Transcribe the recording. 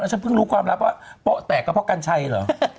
แล้วฉันเพิ่งรู้ความรับว่าแตกก็เพราะกันใช่หรือ